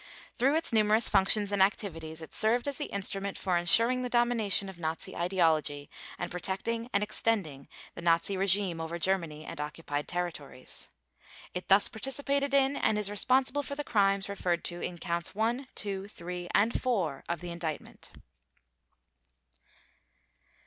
Through its numerous functions and activities it served as the instrument for insuring the domination of Nazi ideology and protecting and extending the Nazi regime over Germany and occupied territories. It thus participated in and is responsible for the crimes referred to in Counts One, Two, Three, and Four of the Indictment.